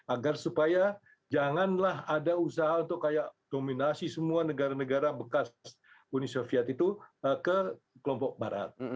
agar supaya janganlah ada usaha untuk kayak dominasi semua negara negara bekas uni soviet itu ke kelompok barat